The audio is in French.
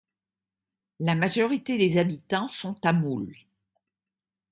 La majorité des habitants sont tamouls.